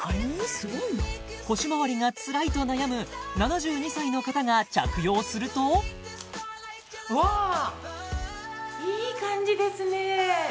すごいな腰回りがつらいと悩む７２歳の方が着用するといい感じですね